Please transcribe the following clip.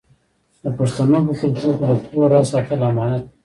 د پښتنو په کلتور کې د کور راز ساتل امانت دی.